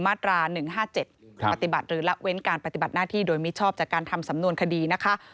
มาตรา๑๕๗ปฏิบัติหรือละเว้นการปฏิบัติหน้าที่โดยมิชอบจากการทำสำนวนคดีนะคะ